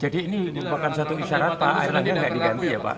jadi ini merupakan satu isyarat pak akhirnya tidak diganti ya pak